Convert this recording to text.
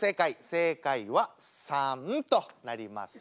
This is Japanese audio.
正解は３となります。